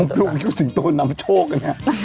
นั่งเรื่องของสิงโตน้ำโชคนะ